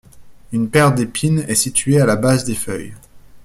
Une paire d'épines est située à la base des feuilles.